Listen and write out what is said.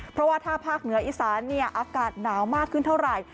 เพราะว่าถ้าภาคเหนืออีสานอากาศหนาวมากขึ้นเท่าไหร่